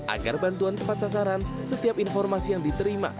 agar bantuan tepat sasaran setiap informasi yang diterima